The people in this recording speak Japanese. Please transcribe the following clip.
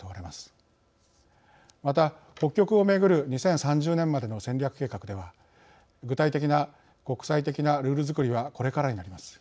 また北極をめぐる２０３０年までの戦略計画では具体的な国際的なルールづくりはこれからになります。